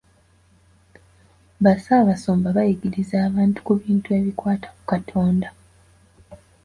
Bassaabasumba bayigiriza abantu ku bintu ebikwata ku Katonda.